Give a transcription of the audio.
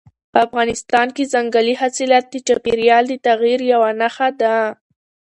افغانستان کې ځنګلي حاصلات د چاپېریال د تغیر یوه نښه ده.